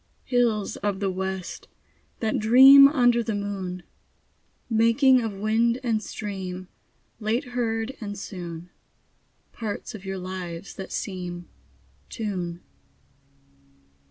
Hills of the west, that dream Under the moon, Making of wind and stream, Late heard and soon, Parts of your lives that seem Tune.